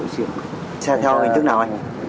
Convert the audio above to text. xe theo hình thức nào anh